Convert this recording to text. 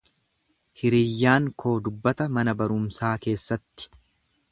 Hiriyyaan koo dubbata mana barumsaa keessatti.